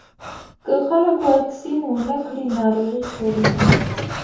که خلک واکسین ونه کړي، ناروغي خپرېږي.